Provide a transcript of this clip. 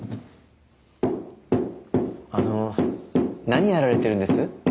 あの何やられてるんです？